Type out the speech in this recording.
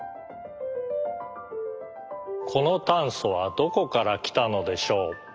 このたんそはどこからきたのでしょう？